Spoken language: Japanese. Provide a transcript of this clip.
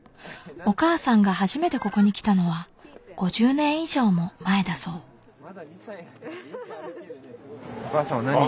お母さんが初めてここに来たのは５０年以上も前だそう。